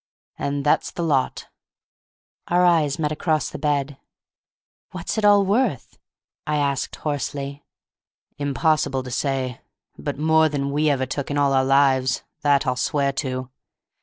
And that's the lot." Our eyes met across the bed. "What's it all worth?" I asked, hoarsely. "Impossible to say. But more than all we ever took in all our lives. That I'll swear to."